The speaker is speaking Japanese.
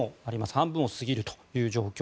半分を過ぎるという状況。